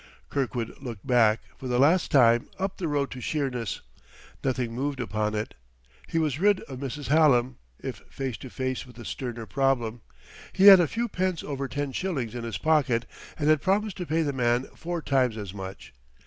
Kirkwood looked back, for the last time, up the road to Sheerness. Nothing moved upon it. He was rid of Mrs. Hallam, if face to face with a sterner problem. He had a few pence over ten shillings in his pocket, and had promised to pay the man four times as much.